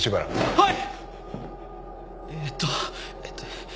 はい！